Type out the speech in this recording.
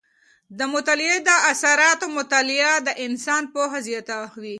د مطالعې د اثراتو مطالعه د انسان پوهه زیاته وي.